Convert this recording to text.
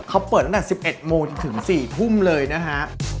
เขาเปิดตั้งแต่๑๑โมงถึง๔ทุ่มเลยนะฮะ